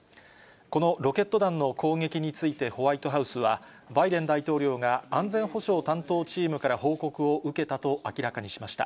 このロケット弾の攻撃についてホワイトハウスは、バイデン大統領が安全保障担当チームから報告を受けたと明らかにしました。